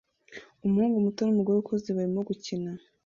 Umuhungu muto numugore ukuze barimo gukina